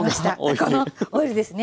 このオイルですね。